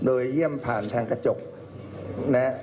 โดยเยี่ยมผ่านทางกระจกนะฮะ